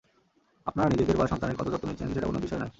আপনারা নিজেদের বা সন্তানের কত যত্ন নিচ্ছেন সেটা কোন বিষয় নয়।